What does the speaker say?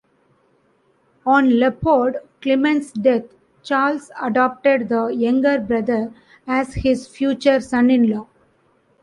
On Leopold Clement's death, Charles adopted the younger brother as his future son-in-law.